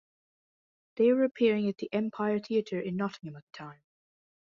They were appearing at the Empire Theatre in Nottingham at the time.